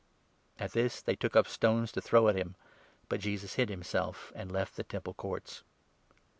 At this they took up stones to throw at him ; but Jesus hid him 59 self, and left the Temple Courts.